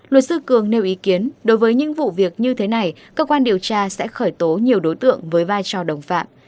luật sư cường nêu ý kiến đối với những vụ việc như thế này cơ quan điều tra sẽ khởi tố nhiều đối tượng với vai trò đồng phạm